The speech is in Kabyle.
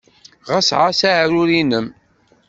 Ɣas ɛass aɛrur-nnem.